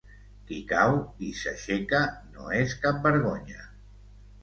Qui cau i s'aixeca, no és cap vergonya.